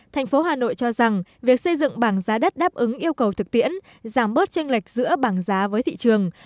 thành phố hà nội cho rằng việc xây dựng bảng giá đất đáp ứng yêu cầu thực tiễn giảm bớt tranh lệch giữa bảng giá với thị trường